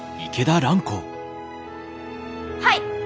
はい！